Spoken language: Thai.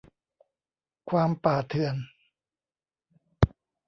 ความป่าเถื่อน